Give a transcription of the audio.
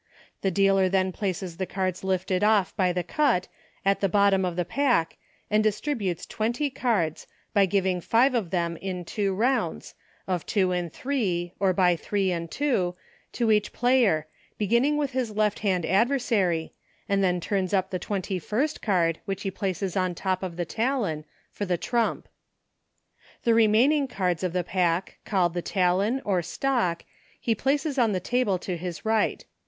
The dealer then places the cards lifted off by the cut at the bottom of the pack and distributes twenty cards, by giving five of them in two rounds, of two and three, or by three and two, to each player, beginning with his left hand ad versary, and then turns up the twenty first card, which he places on the top of the talon, for the trump. The remaining cards of the pack, called the talon, or stock, he places on the table to his right.